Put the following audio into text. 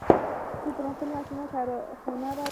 دوی پرمختللي ماشینونه کارخانو ته راوړي